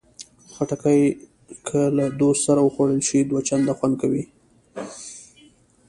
خټکی که له دوست سره وخوړل شي، دوه چنده خوند کوي.